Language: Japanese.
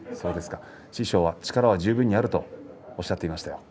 師匠は力は十分にあるとおっしゃっていました。